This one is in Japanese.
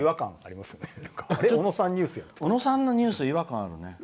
小野さんのニュース違和感あるね。